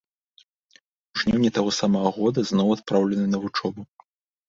У жніўні таго самага года зноў адпраўлены на вучобу.